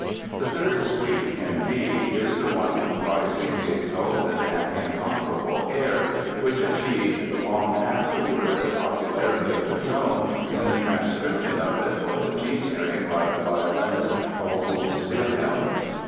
The third suite, in D, is the one comprising the exalted and incomparable Air, which achieved, long afterwards, a popularity of its own in the transcription of it for the G string by the violinist August Wilhemj.